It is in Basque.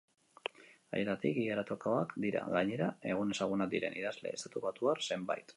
Haietatik igarotakoak dira, gainera, egun ezagunak diren idazle estatubatuar zenbait.